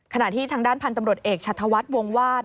ขณะที่ทางด้านพันธุ์ตำรวจเอกชัธวัฒน์วงวาด